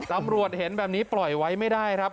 ตำรวจเห็นแบบนี้ปล่อยไว้ไม่ได้ครับ